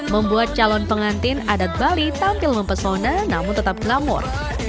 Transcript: membuat calon pengantin adat bali tampil mempesona namun tetap glamor